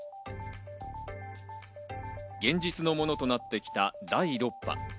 現実のものとなってきた第６波。